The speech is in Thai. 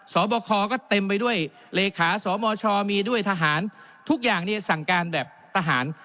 สอบคอก็เต็มไปด้วยเลขาสมชมีด้วยทหารทุกอย่างเนี่ยสั่งการแบบทหาร